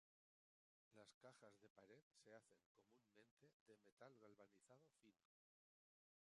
Las cajas de pared se hacen comúnmente de metal galvanizado fino.